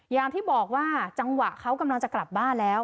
อย่างที่บอกว่าจังหวะเขากำลังจะกลับบ้านแล้ว